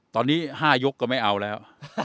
ตอนนี้๕ยกก็ไม่เอาแล้ว